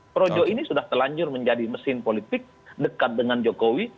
projo ini sudah telanjur menjadi mesin politik dekat dengan jokowi